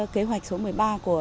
kế hoạch số một mươi ba của